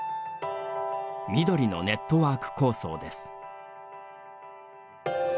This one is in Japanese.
みどりのネットワーク構想です。